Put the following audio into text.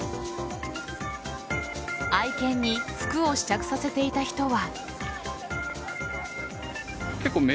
愛犬に服を試着させていた人は。